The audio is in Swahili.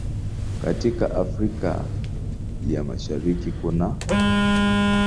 Katika Afrika ya Mashariki kunaː